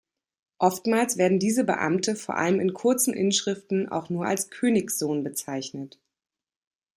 Oftmals werden diese Beamte, vor allem in kurzen Inschriften auch nur als „Königssohn“ bezeichnet.